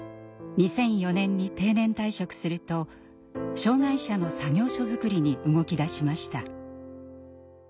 ２００４年に定年退職すると障害者の作業所づくりに動きだしました。